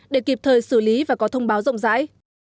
để kịp thời xử lý và có thông báo rộng rãi